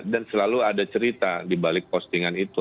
dan selalu ada cerita dibalik postingan itu